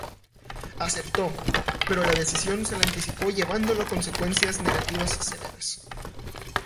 Aceptó, pero la decisión se le anticipó llevándolo a consecuencias negativas severas.